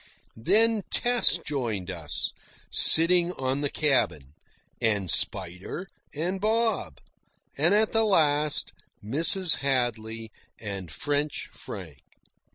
Then Tess joined us, sitting on the cabin; and Spider, and Bob; and at the last, Mrs. Hadley and French Frank.